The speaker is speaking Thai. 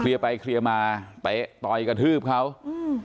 เคลียร์ไปเคลียร์มาไปต่อยกระทืบเขาอืม